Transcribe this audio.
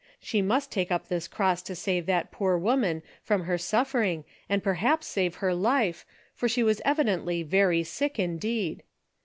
She must take up this cross to save that poor woman from her suffering and perhaps save her life, for she was evidently very sick in deed.